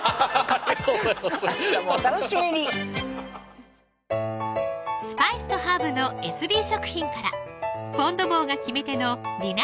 明日もお楽しみにスパイスとハーブのエスビー食品からフォン・ド・ボーが決め手の「ディナーカレー」